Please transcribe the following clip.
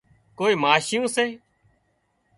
ڪوئي ماشيون سي